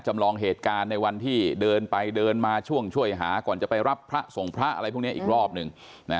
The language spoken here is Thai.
จำลองเหตุการณ์ในวันที่เดินไปเดินมาช่วงช่วยหาก่อนจะไปรับพระส่งพระอะไรพวกนี้อีกรอบหนึ่ง